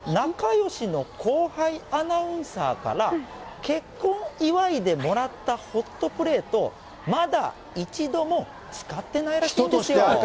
実は仲よしの後輩アナウンサーから、結婚祝いでもらったホットプレートを、まだ一度も使ってないらしいんですよ。